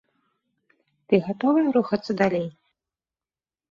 Ты гатовая рухацца далей?